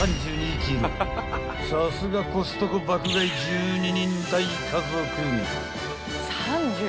［さすがコストコ爆買い１２人大家族］